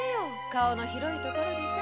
顔の広いところでさ。